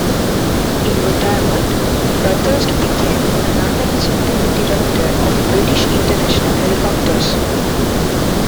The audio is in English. In retirement Bathurst became a Non-Executive Director of British International Helicopters.